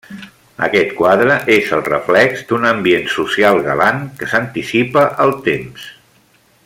Aquest quadre és el reflex d'un ambient social galant que s'anticipa al temps.